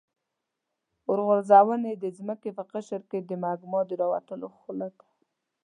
اورغورځونې د ځمکې په قشر کې د مګما د راوتلو خوله ده.